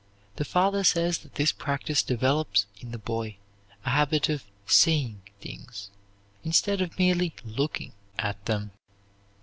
The father says that this practise develops in the boy a habit of seeing things, instead of merely looking at them.